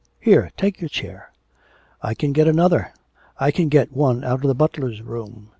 Here, take your chair.' 'I can get another. I can get one out of the butler's room.